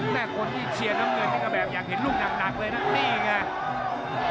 แต่คนที่เชียร์น้ำเงินนี่ก็แบบอยากเห็นลูกหนักเลยนะนี่ไง